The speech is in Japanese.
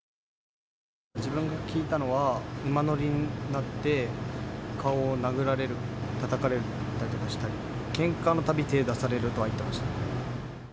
自分が聞いたのは、馬乗りになって、顔を殴られる、たたかれる、けんかのたび、手を出されるって言ってました。